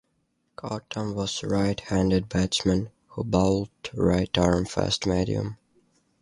Cottam was a right-handed batsman, who bowled right-arm fast-medium.